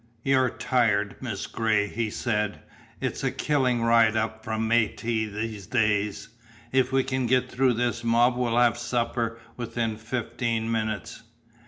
"You're tired, Miss Gray," he said. "It's a killing ride up from Miette these days. If we can get through this mob we'll have supper within fifteen minutes!"